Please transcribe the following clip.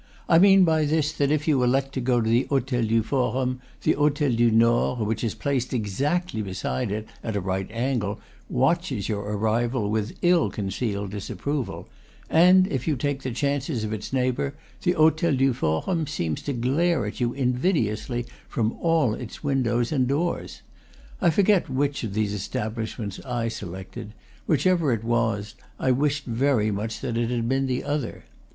I mean by this that if you elect to go to the Hotel du Forum, the Hotel du Nord, which is placed exactly beside it (at a right angle) watches your arrival with ill concealed dis approval; and if you take the chances of its neighbor, the Hotel du Forum seems to glare at you invidiously from all its windows and doors. I forget which of these establishments I selected; whichever it was, I wished very much that, it had been the other.